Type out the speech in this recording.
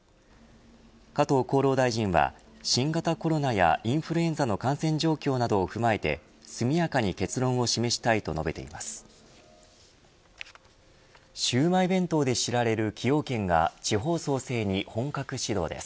加藤厚労大臣は新型コロナやインフルエンザの感染状況などを踏まえて速やかに結論を示したいと述べています。